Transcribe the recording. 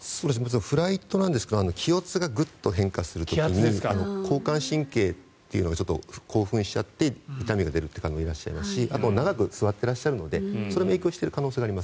フライトなんですが気圧がグッと変化することで交感神経というのがちょっと興奮しちゃって痛みが出るという方がいらっしゃしますしあと、長く座っていらっしゃいますのでそれも影響してる可能性があります。